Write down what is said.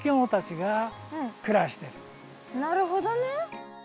なるほどね。